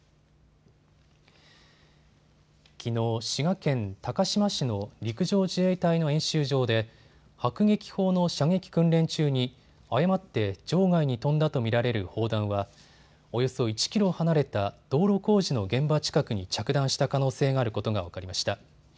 きのう、滋賀県高島市の陸上自衛隊の演習場で迫撃砲の射撃訓練中に誤って場外に飛んだと見られる砲弾はおよそ１キロ離れた道路工事の現場近くに着弾した可能性があることが分かりました。